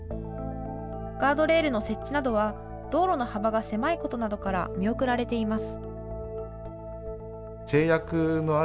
ガードレールの設置などは道路の幅が狭いことなどから見送られています。